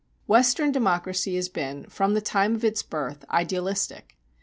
Western democracy has been from the time of its birth idealistic.